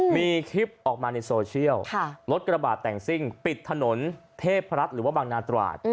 มีคลิปออกมาในโซเชียลรถกระบาดแต่งซิ่งปิดถนนเทพรัฐหรือว่าบางนาตราด